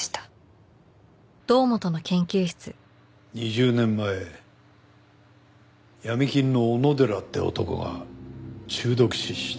２０年前闇金の小野寺って男が中毒死した。